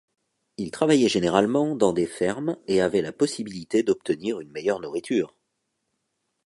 Ils travaillaient généralement dans des fermes et avaient la possibilité d'obtenir une meilleure nourriture.